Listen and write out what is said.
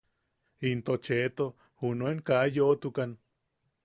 Into Cheto junuen ka yoʼotukan.